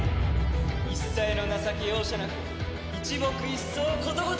一切の情け容赦なく一木一草ことごとく！